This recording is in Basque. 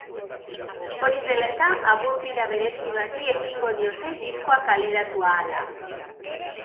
Hori dela eta, agur-bira berezi bati ekingo diote diskoa kaleratu ahala.